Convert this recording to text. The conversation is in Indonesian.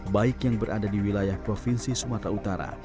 baik yang berada di wilayah provinsi sumatera utara